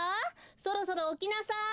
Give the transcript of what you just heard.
そろそろおきなさい！